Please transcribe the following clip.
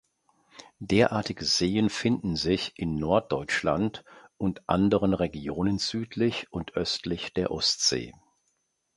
Derartige Seen finden sich in Norddeutschland und anderen Regionen südlich und östlich der Ostsee.